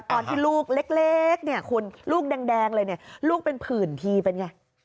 ตอนที่ลูกเล็กลูกแดงเลยลูกเป็นผื่นทีเป็นไง